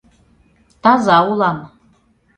— Таза улам...